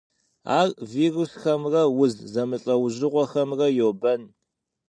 Ар вирусхэмрэ уз зэмылӏэужьыгъуэхэмрэ йобэн.